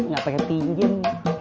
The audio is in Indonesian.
gak pakai pinjam